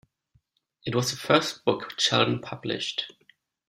This was the first book Sheldon published.